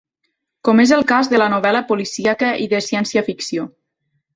Com és el cas de la novel·la policíaca i de ciència-ficció.